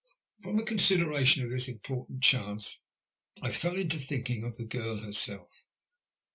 From a consideration of this important chance I fell to thinking of the girl herself.